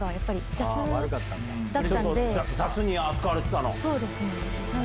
雑に扱われてたの？